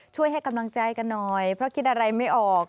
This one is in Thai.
ช่วยให้กำลังใจกันหน่อยเพราะคิดอะไรไม่ออก